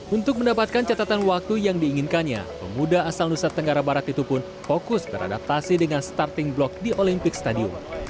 untuk mendapatkan catatan waktu yang diinginkannya pemuda asal nusa tenggara barat itu pun fokus beradaptasi dengan starting block di olympic stadium